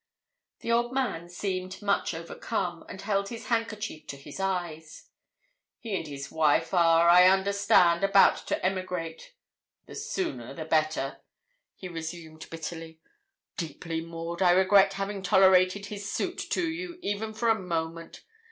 The old man seemed much overcome, and held his hankerchief to his eyes. 'He and his wife are, I understand, about to emigrate; the sooner the better,' he resumed, bitterly. 'Deeply, Maud, I regret having tolerated his suit to you, even for a moment.